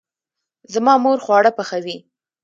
زما مور خواړه پخوي